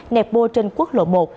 nẹp bô trên quốc lộ một